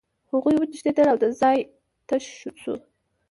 هغوی وتښتېدل او دا ځای تش شو